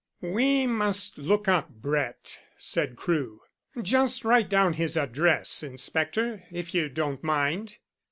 "We must look up Brett," said Crewe. "Just write down his address, inspector if you don't mind."